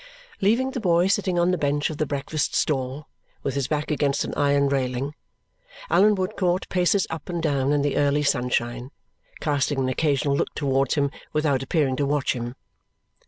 Leaving the boy sitting on the bench of the breakfast stall, with his back against an iron railing, Allan Woodcourt paces up and down in the early sunshine, casting an occasional look towards him without appearing to watch him.